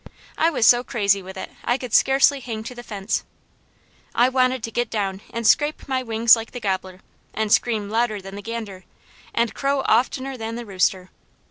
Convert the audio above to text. I was so crazy with it I could scarcely hang to the fence; I wanted to get down and scrape my wings like the gobbler, and scream louder than the gander, and crow oftener than the rooster.